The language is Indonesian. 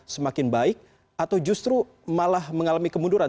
semakin baik atau justru malah mengalami kemunduran